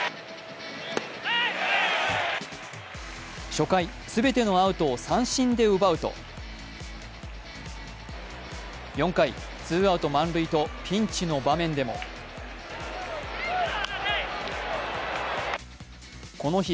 初回全てのアウトを三振で奪うと４回、ツーアウト満塁とピンチの場面でもこの日